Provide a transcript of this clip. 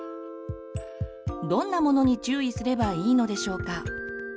どんなものに注意すればいいのでしょうか？